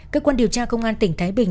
cơ quan điều tra công an tỉnh thái bình